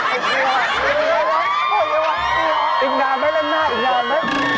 อีกนานไหม